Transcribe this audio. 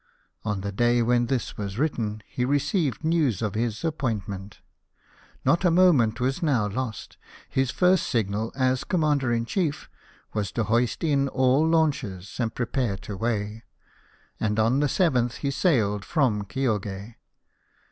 On the day when this was written he received news of his appointment. Not a moment was now lost. His first signal, as Commander in Chief, was to hoist in all launches, and prepare to weigh ; and on the 7 th he sailed from Kioge.